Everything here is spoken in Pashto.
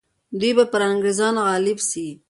دوی به پر انګریزانو غالب سي.